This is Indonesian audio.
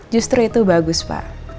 justru itu bagus pak